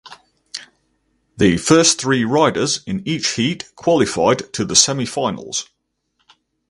The first three riders in each heat qualified to the semifinals.